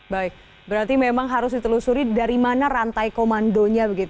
baik berarti memang harus ditelusuri dari mana rantai komandonya